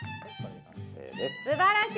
すばらしい！